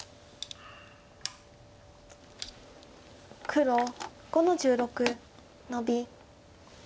黒５の十六ノビ。